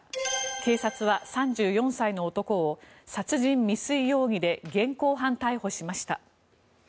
警察は３４歳の男を殺人未遂容疑で現行犯逮捕しました。